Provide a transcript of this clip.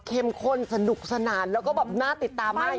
เข้มข้นและสนุกสนานสุด